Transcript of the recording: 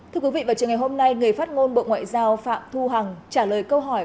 thưa quý vị vào trường ngày hôm nay người phát ngôn bộ ngoại giao phạm thu hằng trả lời câu hỏi